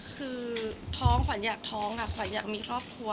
คือท้องขวัญอยากท้องขวัญอยากมีครอบครัว